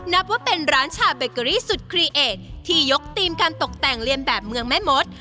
นับว่าเป็นร้านชาเบเกอรี่สุดคลีเอทที่ยกทีมการตกแต่งเรียนแบบเมืองแม่มด